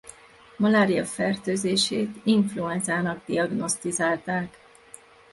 Malária-fertőzését influenzának diagnosztizálták.